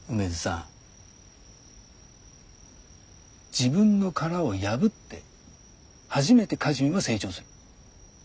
自分の殻を破って初めて歌人は成長する。